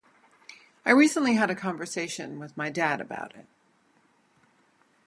I recently had a conversation with my dad about it.